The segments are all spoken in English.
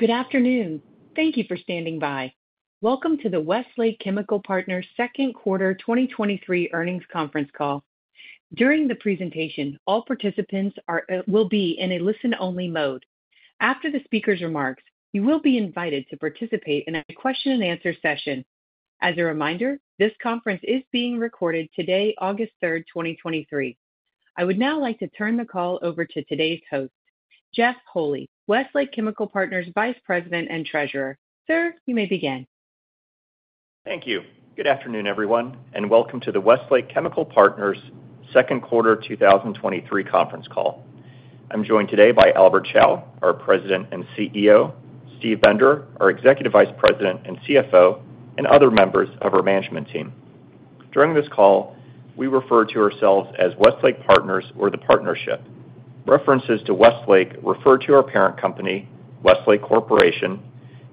Good afternoon. Thank you for standing by. Welcome to the Westlake Chemical Partners second quarter 2023 earnings conference call. During the presentation, all participants will be in a listen-only mode. After the speaker's remarks, you will be invited to participate in a question-and-answer session. As a reminder, this conference is being recorded today, August 3rd, 2023. I would now like to turn the call over to today's host, Jeff Holy, Westlake Chemical Partners Vice President and Treasurer. Sir, you may begin. Thank you. Good afternoon, everyone, and welcome to the Westlake Chemical Partners second quarter 2023 conference call. I'm joined today by Albert Chao, our President and CEO, Steve Bender, our Executive Vice President and CFO, and other members of our management team. During this call, we refer to ourselves as Westlake Partners or the Partnership. References to Westlake refer to our parent company, Westlake Corporation,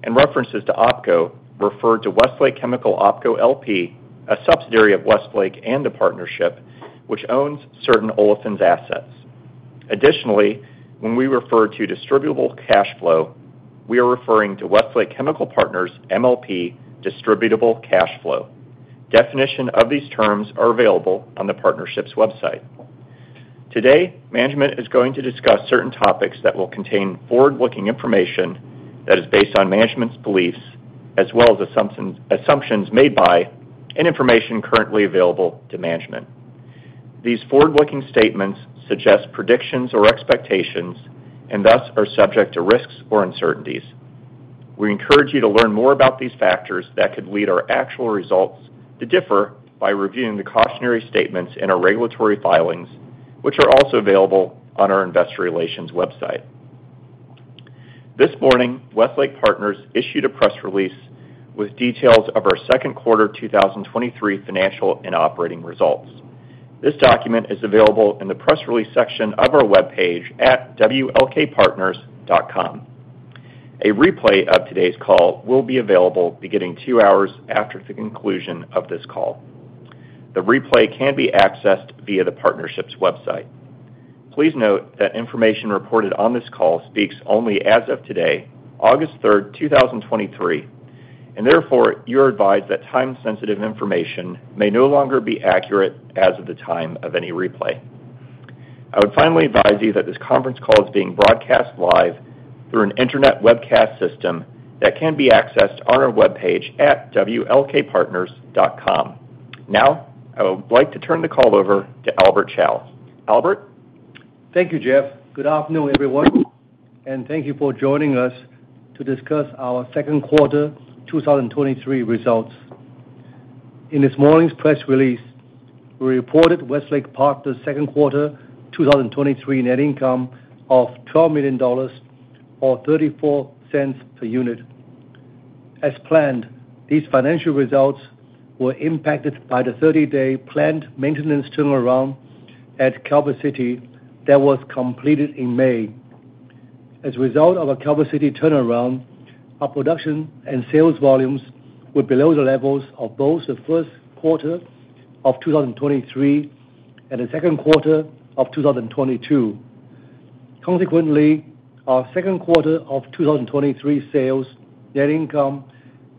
and references to OpCo refer to Westlake Chemical OpCo LP, a subsidiary of Westlake and a partnership which owns certain olefins assets. Additionally, when we refer to distributable cash flow, we are referring to Westlake Chemical Partners MLP distributable cash flow. Definition of these terms are available on the Partnership's website. Today, management is going to discuss certain topics that will contain forward-looking information that is based on management's beliefs as well as assumptions made by and information currently available to management. These forward-looking statements suggest predictions or expectations and thus are subject to risks or uncertainties. We encourage you to learn more about these factors that could lead our actual results to differ by reviewing the cautionary statements in our regulatory filings, which are also available on our investor relations website. This morning, Westlake Partners issued a press release with details of our second quarter 2023 financial and operating results. This document is available in the press release section of our webpage at wlkpartners.com. A replay of today's call will be available beginning two hours after the conclusion of this call. The replay can be accessed via the partnership's website. Please note that information reported on this call speaks only as of today, August 3rd, 2023, and therefore, you're advised that time-sensitive information may no longer be accurate as of the time of any replay. I would finally advise you that this conference call is being broadcast live through an internet webcast system that can be accessed on our webpage at wlkpartners.com. I would like to turn the call over to Albert Chao. Albert? Thank you, Jeff. Good afternoon, everyone, and thank you for joining us to discuss our second quarter 2023 results. In this morning's press release, we reported Westlake Partners' second quarter 2023 net income of $12 million, or $0.34 per unit. As planned, these financial results were impacted by the 30-day planned maintenance turnaround at Calvert City that was completed in May. As a result of a Calvert City turnaround, our production and sales volumes were below the levels of both the first quarter of 2023 and the second quarter of 2022. Consequently, our second quarter of 2023 sales, net income,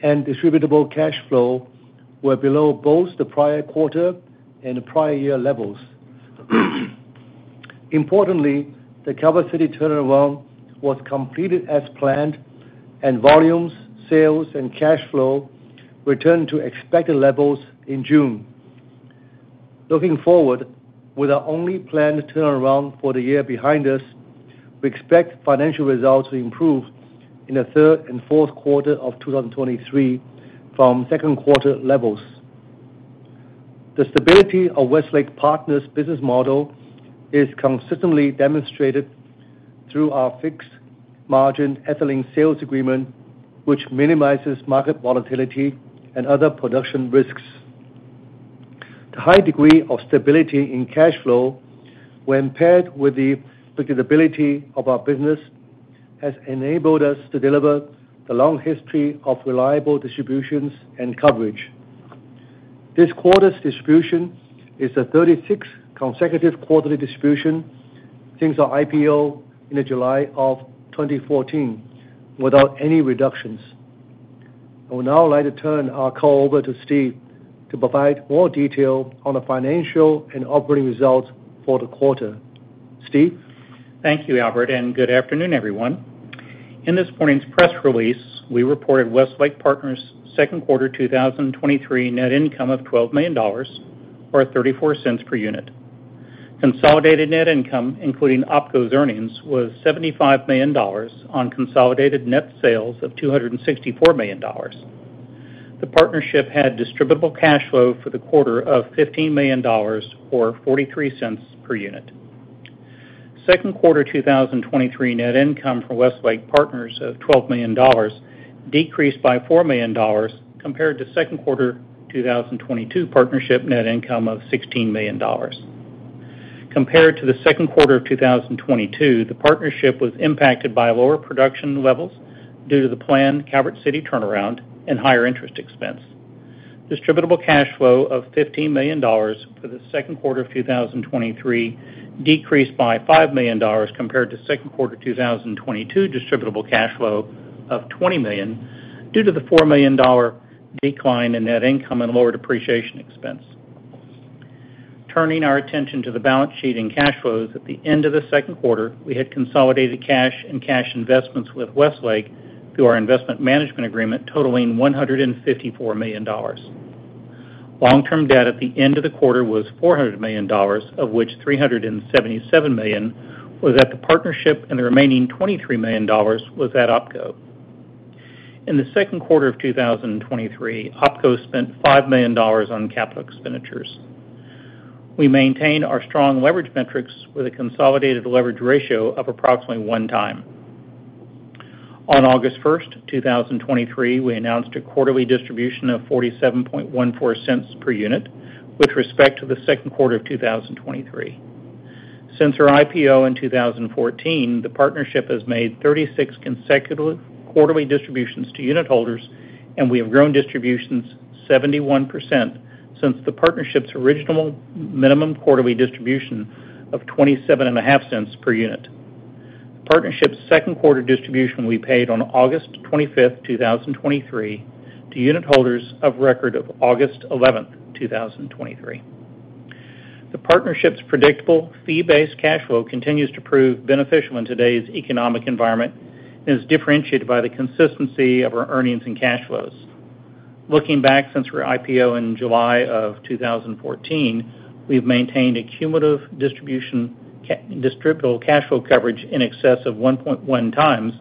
and distributable cash flow were below both the prior quarter and the prior year levels. Importantly, the Calvert City turnaround was completed as planned, and volumes, sales, and cash flow returned to expected levels in June. Looking forward, with our only planned turnaround for the year behind us, we expect financial results to improve in the third and fourth quarter of 2023 from second quarter levels. The stability of Westlake Partners' business model is consistently demonstrated through our fixed margin Ethylene Sales Agreement, which minimizes market volatility and other production risks. The high degree of stability in cash flow, when paired with the predictability of our business, has enabled us to deliver the long history of reliable distributions and coverage. This quarter's distribution is the 36th consecutive quarterly distribution since our IPO in July 2014, without any reductions. I would now like to turn our call over to Steve to provide more detail on the financial and operating results for the quarter. Steve? Thank you, Albert, good afternoon, everyone. In this morning's press release, we reported Westlake Partners' second quarter 2023 net income of $12 million, or $0.34 per unit. Consolidated net income, including OpCo's earnings, was $75 million on consolidated net sales of $264 million. The partnership had distributable cash flow for the quarter of $15 million, or $0.43 per unit. Second quarter 2023 net income for Westlake Partners of $12 million decreased by $4 million compared to second quarter 2022 partnership net income of $16 million. Compared to the second quarter of 2022, the partnership was impacted by lower production levels due to the planned Calvert City turnaround and higher interest expense.... distributable cash flow of $15 million for the second quarter 2023, decreased by $5 million compared to second quarter 2022 distributable cash flow of $20 million, due to the $4 million decline in net income and lower depreciation expense. Turning our attention to the balance sheet and cash flows. At the end of the second quarter, we had consolidated cash and cash investments with Westlake through our Investment Management Agreement, totaling $154 million. Long-term debt at the end of the quarter was $400 million, of which $377 million was at the partnership, and the remaining $23 million was at OpCo. In the second quarter 2023, OpCo spent $5 million on capital expenditures. We maintained our strong leverage metrics with a consolidated leverage ratio of approximately one time. On August 1st, 2023, we announced a quarterly distribution of $0.4714 per unit with respect to the 2Q 2023. Since our IPO in 2014, the partnership has made 36 consecutive quarterly distributions to unit holders, and we have grown distributions 71% since the partnership's original Minimum Quarterly Distribution of $0.275 per unit. The partnership's 2Q distribution will be paid on August 25th, 2023, to unit holders of record of August 11th, 2023. The partnership's predictable, fee-based cash flow continues to prove beneficial in today's economic environment and is differentiated by the consistency of our earnings and cash flows. Looking back since our IPO in July of 2014, we've maintained a cumulative distributable cash flow coverage in excess of 1.1 times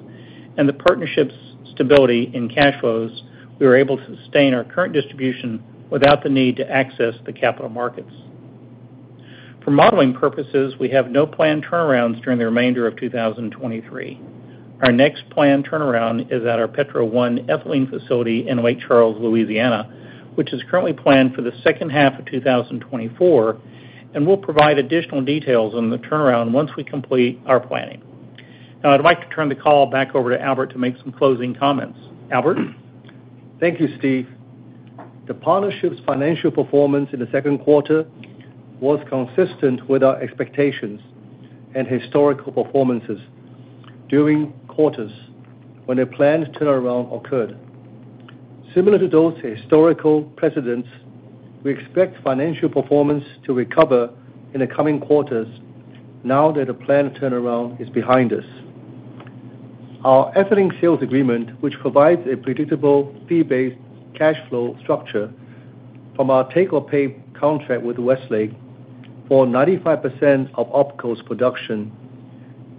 and the partnership's stability in cash flows, we were able to sustain our current distribution without the need to access the capital markets. For modeling purposes, we have no planned turnarounds during the remainder of 2023. Our next planned turnaround is at our Petro 1 ethylene facility in Lake Charles, Louisiana, which is currently planned for the second half of 2024, and we'll provide additional details on the turnaround once we complete our planning. Now, I'd like to turn the call back over to Albert to make some closing comments. Albert? Thank you, Steve. The partnership's financial performance in the second quarter was consistent with our expectations and historical performances during quarters when a planned turnaround occurred. Similar to those historical precedents, we expect financial performance to recover in the coming quarters now that a planned turnaround is behind us. Our Ethylene Sales Agreement, which provides a predictable, fee-based cash flow structure from our take-or-pay contract with Westlake for 95% of OpCo's production,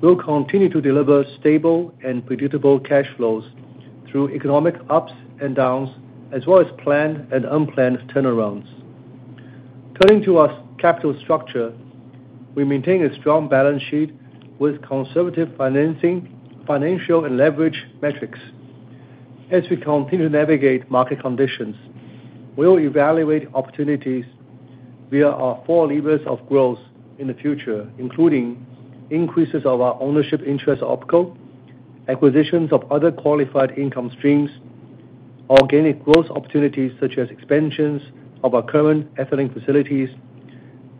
will continue to deliver stable and predictable cash flows through economic ups and downs, as well as planned and unplanned turnarounds. Turning to our capital structure, we maintain a strong balance sheet with conservative financing, financial and leverage metrics. As we continue to navigate market conditions, we will evaluate opportunities via our four levers of growth in the future, including increases of our ownership interest OpCo, acquisitions of other qualified income streams, organic growth opportunities, such as expansions of our current ethylene facilities,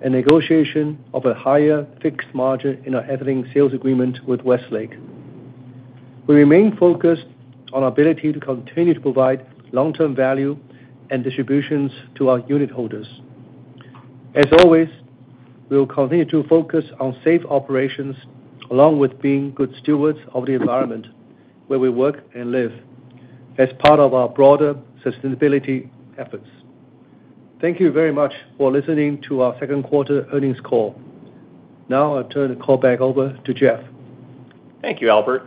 and negotiation of a higher fixed margin in our Ethylene Sales Agreement with Westlake. We remain focused on our ability to continue to provide long-term value and distributions to our unit holders. As always, we will continue to focus on safe operations, along with being good stewards of the environment, where we work and live as part of our broader sustainability efforts. Thank you very much for listening to our second quarter earnings call. Now I'll turn the call back over to Jeff. Thank you, Albert.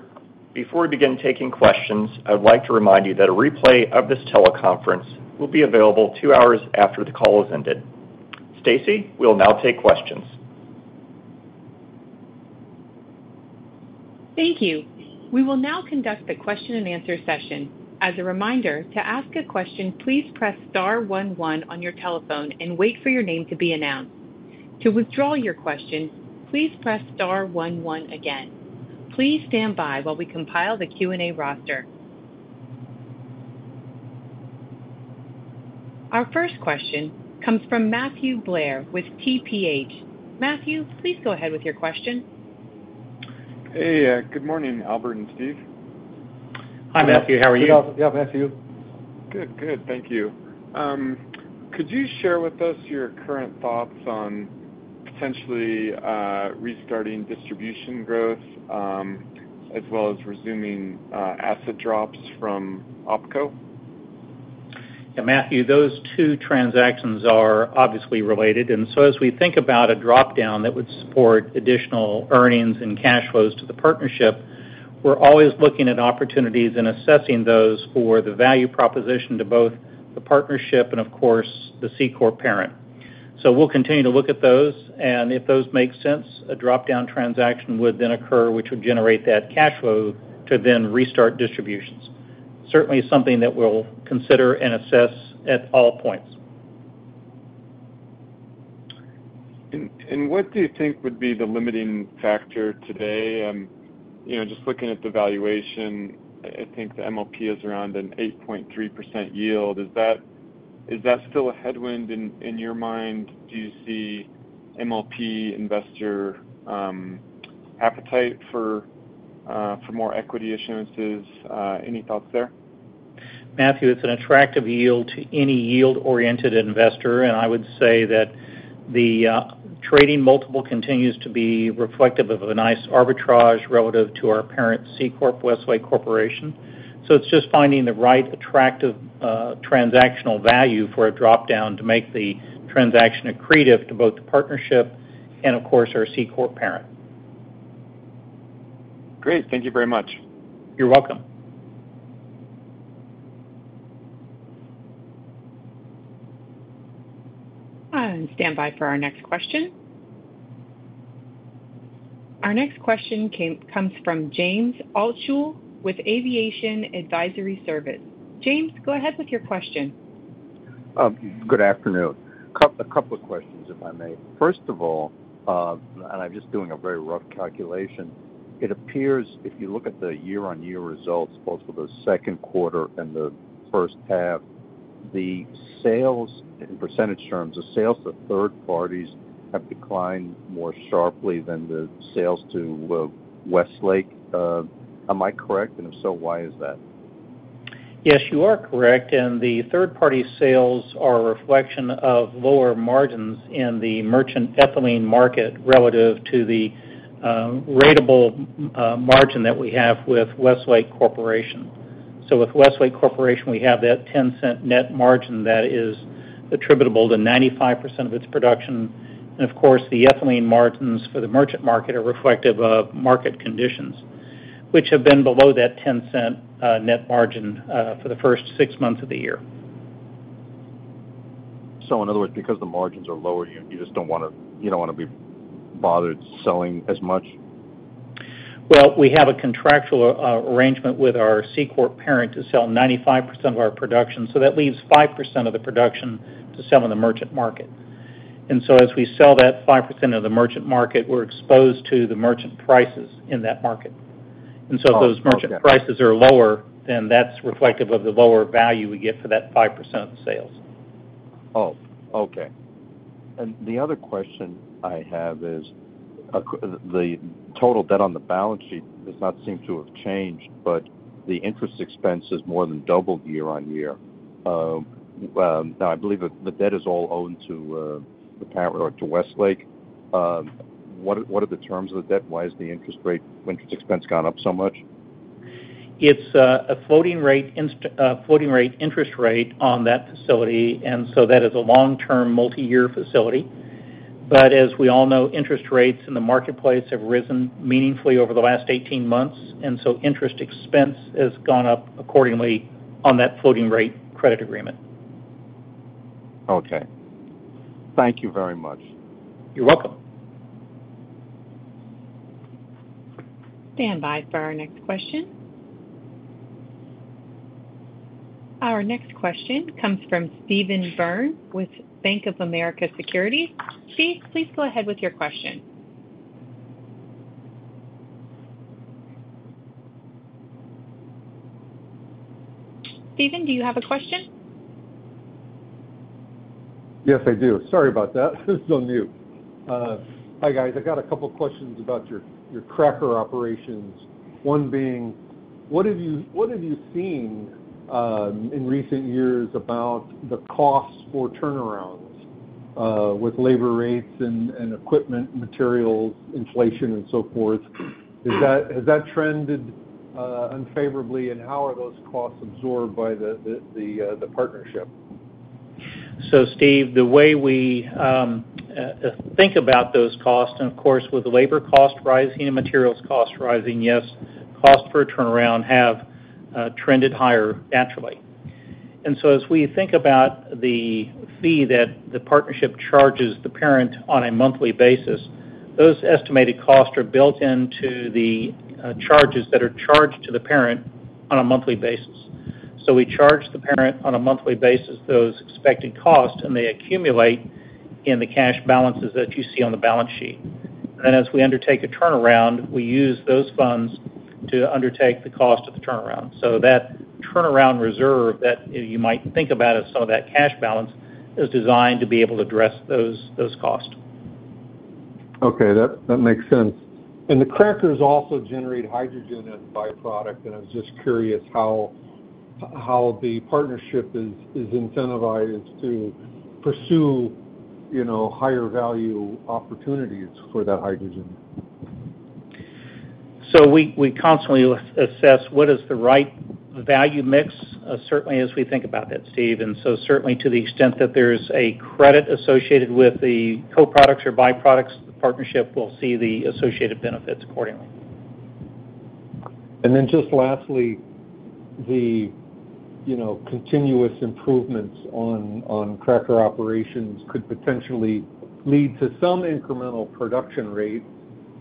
Before we begin taking questions, I'd like to remind you that a replay of this teleconference will be available two hours after the call has ended. Stacy, we'll now take questions. Thank you. We will now conduct a question-and-answer session. As a reminder, to ask a question, please press star one one on your telephone and wait for your name to be announced. To withdraw your question, please press star one one again. Please stand by while we compile the Q&A roster. Our first question comes from Matthew Blair with TPH. Matthew, please go ahead with your question. Hey, good morning, Albert and Steve. Hi, Matthew. How are you? Yeah, Matthew. Good. Good. Thank you. Could you share with us your current thoughts on potentially restarting distribution growth, as well as resuming asset drops from OpCo? Yeah, Matthew, those two transactions are obviously related, so as we think about a dropdown that would support additional earnings and cash flows to the partnership, we're always looking at opportunities and assessing those for the value proposition to both the partnership and, of course, the S-corp parent. We'll continue to look at those, and if those make sense, a dropdown transaction would then occur, which would generate that cash flow to then restart distributions. Certainly, something that we'll consider and assess at all points.... And what do you think would be the limiting factor today? You know, just looking at the valuation, I, I think the MLP is around an 8.3% yield. Is that, is that still a headwind in, in your mind? Do you see MLP investor appetite for more equity issuances? Any thoughts there? Matthew, it's an attractive yield to any yield-oriented investor, and I would say that the trading multiple continues to be reflective of a nice arbitrage relative to our parent C-corp, Westlake Corporation. It's just finding the right attractive transactional value for a dropdown to make the transaction accretive to both the Partnership and, of course, our C-corp parent. Great. Thank you very much. You're welcome. Stand by for our next question. Our next question comes from James Altschul with Aviation Advisory Service. James, go ahead with your question. Good afternoon. A couple of questions, if I may. First of all, and I'm just doing a very rough calculation, it appears, if you look at the year-on-year results, both for the second quarter and the first half, the sales, in percentage terms, the sales to third parties have declined more sharply than the sales to Westlake. Am I correct? If so, why is that? Yes, you are correct. The third-party sales are a reflection of lower margins in the merchant ethylene market relative to the ratable margin that we have with Westlake Corporation. With Westlake Corporation, we have that $0.10 net margin that is attributable to 95% of its production. Of course, the ethylene margins for the merchant market are reflective of market conditions, which have been below that $0.10 net margin for the first six months of the year. In other words, because the margins are lower, you, you just don't wanna be bothered selling as much? Well, we have a contractual arrangement with our C-corp parent to sell 95% of our production, so that leaves 5% of the production to sell on the merchant market. So as we sell that 5% of the merchant market, we're exposed to the merchant prices in that market. Oh, okay. If those merchant prices are lower, then that's reflective of the lower value we get for that 5% of the sales. Oh, okay. The other question I have is, the total debt on the balance sheet does not seem to have changed, but the interest expense has more than doubled year-on-year. Well, now, I believe the debt is all owed to the parent or to Westlake. What are, what are the terms of the debt? Why is interest expense gone up so much? It's a floating rate a floating rate interest rate on that facility, and so that is a long-term, multi-year facility. As we all know, interest rates in the marketplace have risen meaningfully over the last 18 months, and so interest expense has gone up accordingly on that floating rate credit agreement. Okay. Thank you very much. You're welcome. Stand by for our next question. Our next question comes from Steve Byrne with Bank of America Securities. Steve, please go ahead with your question. Steve, do you have a question? Yes, I do. Sorry about that. It's on mute. Hi, guys. I've got a couple questions about your, your cracker operations. One being, what have you, what have you seen in recent years about the costs for turnarounds with labor rates and, and equipment, materials, inflation, and so forth? Has that trended unfavorably, and how are those costs absorbed by the partnership? Steve, the way we think about those costs, and of course, with the labor costs rising and materials costs rising, yes, costs for a turnaround have trended higher naturally. As we think about the fee that the partnership charges the parent on a monthly basis, those estimated costs are built into the charges that are charged to the parent on a monthly basis. We charge the parent on a monthly basis those expected costs, and they accumulate in the cash balances that you see on the balance sheet. As we undertake a turnaround, we use those funds to undertake the cost of the turnaround. That turnaround reserve that you might think about as some of that cash balance, is designed to be able to address those, those costs. Okay, that, that makes sense. The crackers also generate hydrogen as a byproduct, and I'm just curious how, how the partnership is, is incentivized to pursue, you know, higher value opportunities for that hydrogen? We, we constantly assess what is the right value mix, certainly as we think about that, Steve. Certainly to the extent that there's a credit associated with the co-products or byproducts, the partnership will see the associated benefits accordingly. Then, just lastly, the, you know, continuous improvements on, on cracker operations could potentially lead to some incremental production rate,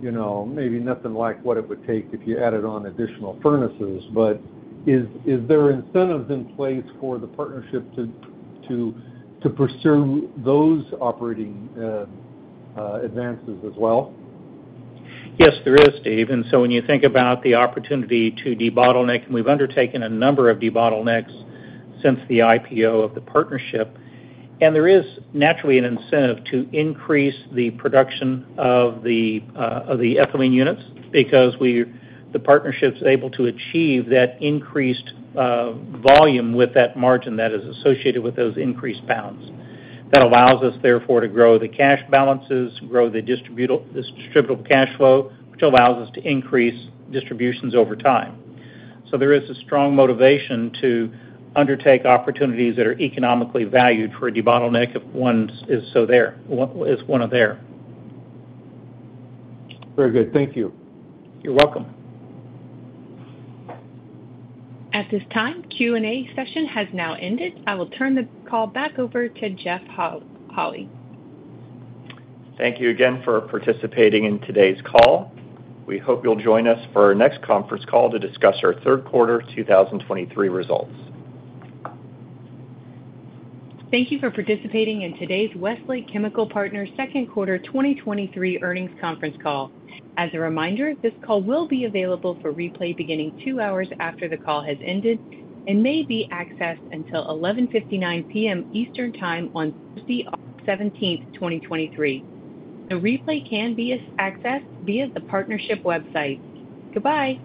you know, maybe nothing like what it would take if you added on additional furnaces. Is, is there incentives in place for the partnership to, to, to pursue those operating advances as well? Yes, there is, Steve. So when you think about the opportunity to debottleneck. We've undertaken a number of debottlenecks since the IPO of the partnership. There is naturally an incentive to increase the production of the of the ethylene units, because the partnership's able to achieve that increased volume with that margin that is associated with those increased pounds. That allows us, therefore, to grow the cash balances, grow the distributable cash flow, which allows us to increase distributions over time. There is a strong motivation to undertake opportunities that are economically valued for a debottleneck if one is one are there. Very good. Thank you. You're welcome. At this time, Q&A session has now ended. I will turn the call back over to Jeff Holy. Thank you again for participating in today's call. We hope you'll join us for our next conference call to discuss our third quarter 2023 results. Thank you for participating in today's Westlake Chemical Partners second quarter 2023 earnings conference call. As a reminder, this call will be available for replay beginning two hours after the call has ended and may be accessed until 11:59 P.M. Eastern Time on Thursday, August 17th, 2023. The replay can be accessed via the partnership website. Goodbye.